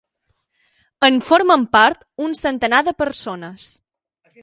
En formen part un centenar de persones.